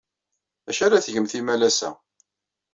D acu ara tgemt imalas-a?